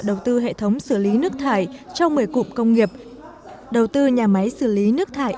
đầu tư hệ thống xử lý nước thải cho một mươi cụm công nghiệp đầu tư nhà máy xử lý nước thải